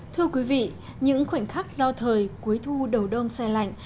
thưa quý vị những khoảnh khắc giao thời cuối thu đầu đôm xe lạnh